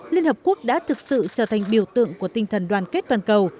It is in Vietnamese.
liên hợp quốc đã thực sự trở thành biểu tượng của tinh thần đoàn kết toàn cầu